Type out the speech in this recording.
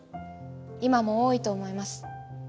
今も多いと思います。